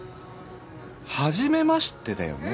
はじめましてだよね？